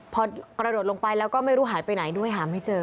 พอกระโดดลงไปแล้วก็ไม่รู้หายไปไหนด้วยหาไม่เจอ